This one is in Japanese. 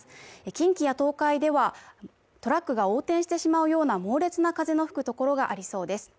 近畿や東海ではトラックが横転してしまうような猛烈な風の吹くところがありそうです。